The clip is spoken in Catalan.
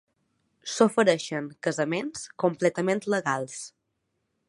S'ofereixen casaments completament legals.